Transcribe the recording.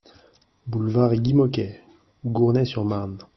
Boulevard Guy Môquet, Gournay-sur-Marne